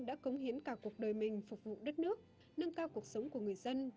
đã cống hiến cả cuộc đời mình phục vụ đất nước nâng cao cuộc sống của người dân